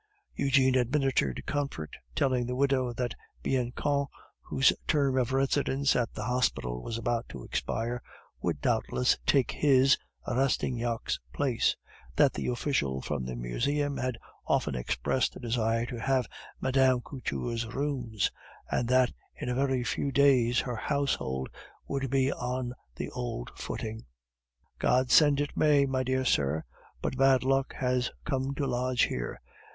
Eugene administered comfort, telling the widow that Bianchon, whose term of residence at the hospital was about to expire, would doubtless take his (Rastignac's) place; that the official from the Museum had often expressed a desire to have Mme. Couture's rooms; and that in a very few days her household would be on the old footing. "God send it may, my dear sir! but bad luck has come to lodge here.